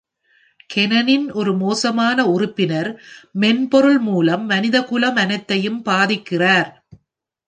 கேனனின் ஒரு மோசமான உறுப்பினர் மென்பொருள் மூலம் மனிதகுலம் அனைத்தையும் பாதிக்கிறார்.